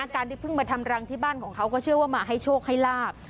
การที่เพิ่งมาทำรังที่บ้านของเขาก็เชื่อว่ามาให้โชคให้ลาบ